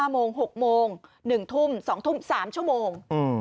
โมง๖โมง๑ทุ่ม๒ทุ่ม๓ชั่วโมง